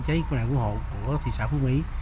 cháy quân hạng quân hộ của thị xã phú mỹ